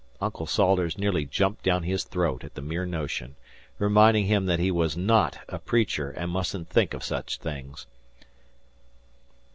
Uncle Salters nearly jumped down his throat at the mere notion, reminding him that he was not a preacher and mustn't think of such things.